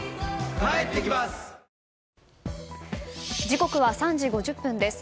時刻は３時５０分です。